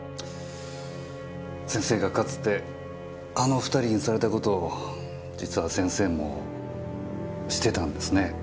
先生がかつてあの２人にされた事を実は先生もしてたんですね